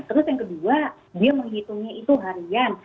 terus yang kedua dia menghitungnya itu harian